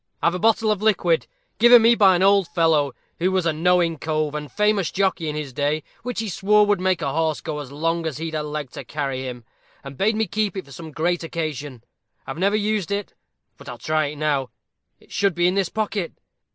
I've a bottle of liquid, given me by an old fellow, who was a knowing cove and famous jockey in his day, which he swore would make a horse go as long as he'd a leg to carry him, and bade me keep it for some great occasion. I've never used it; but I'll try it now. It should be in this pocket.